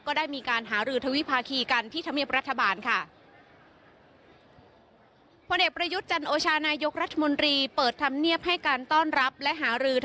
ก็ได้มีการหารือทวิภาคีกันที่ธรรมเนียบรัฐบาลค่ะ